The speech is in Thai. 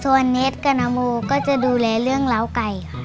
ส่วนเน็ตกับนโมก็จะดูแลเรื่องเล้าไก่ค่ะ